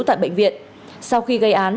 tại bệnh viện sau khi gây án